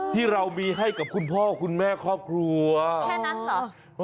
ที่เรามีให้กับคุณพ่อคุณแม่ครอบครัวแค่นั้นเหรอ